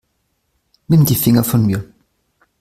Nimm die Finger von mir.